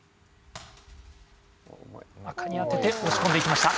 赤にあてておしこんでいきました。